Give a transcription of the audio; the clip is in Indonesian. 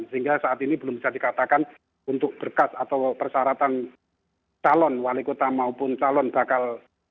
sehingga saat ini belum bisa dikatakan untuk berkas atau persyaratan calon wali kota maupun calon bakal